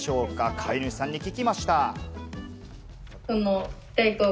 飼い主さんに聞きました。